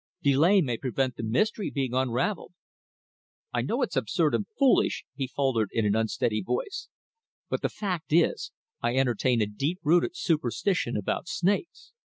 Delay may prevent the mystery being unravelled." "I know it's absurd and foolish," he faltered in an unsteady voice, "but the fact is, I entertain a deep rooted superstition about snakes.